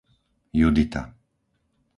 Judita